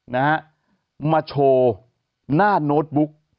นะฮะมาโชว์หน้าโน้ตบุ๊ก